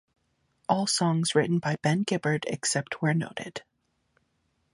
All songs written by Ben Gibbard except where noted.